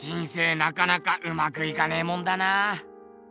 なかなかうまくいかねえもんだな。